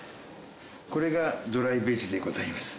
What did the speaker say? これがドライベジでございます。